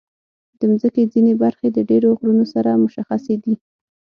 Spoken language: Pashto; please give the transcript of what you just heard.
د مځکې ځینې برخې د ډېرو غرونو سره مشخصې دي.